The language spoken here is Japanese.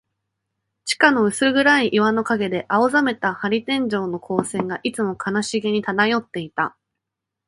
地下の薄暗い岩の影で、青ざめた玻璃天井の光線が、いつも悲しげに漂っていた。